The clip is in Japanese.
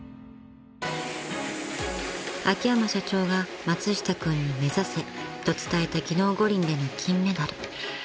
［秋山社長が松下君に目指せと伝えた技能五輪での金メダル］